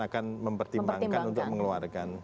akan mempertimbangkan untuk mengeluarkan